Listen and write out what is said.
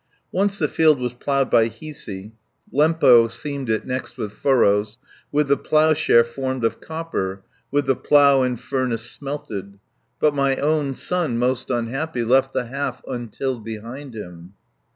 Once the field was ploughed by Hiisi, Lempo seamed it next with furrows, With the ploughshare formed of copper, With the plough in furnace smelted; 30 But my own son, most unhappy, Left the half untilled behind him."